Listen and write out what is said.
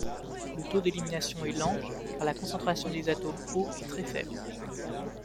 Le taux d'élimination est lent, car la concentration des atomes O est très faible.